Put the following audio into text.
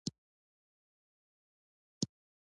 سمندر نه شتون د افغانستان د اقلیمي نظام ښکارندوی ده.